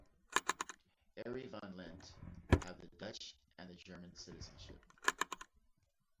Arie van Lent have the Dutch and the German citizenship.